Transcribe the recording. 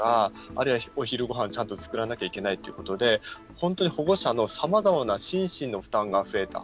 あるいは、お昼ごはんをちゃんと作らなきゃいけないってことで本当に保護者のさまざまな心身の負担が増えた。